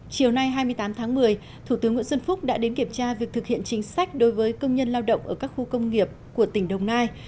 chiều nay hai mươi tám tháng một mươi thủ tướng nguyễn xuân phúc đã đến kiểm tra việc thực hiện chính sách đối với công nhân lao động ở các khu công nghiệp của tỉnh đồng nai